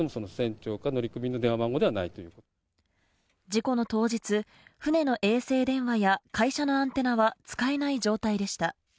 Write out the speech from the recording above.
事故の当日、船の衛星電話や会社のアンテナは使えない状態でした。